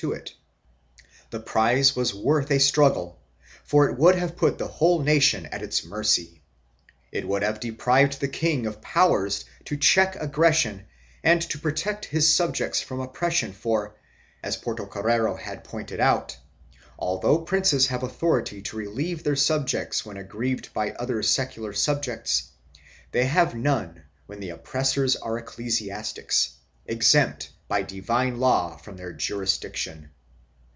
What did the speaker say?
CHAP. I] EFFORTS AT INDEPENDENCE 345 deprived the king of powers to check aggression and to protect his subjects from oppression for, as Portocarrero had pointed out, although princes have authority to relieve their subjects when aggrieved by other secular subjects, they have none when the oppressors are ecclesiastics, exempt by divine law from their jurisdiction.